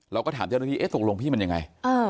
เราก็ถามเจ้าหน้าที่เอ๊ะตกลงพี่มันยังไง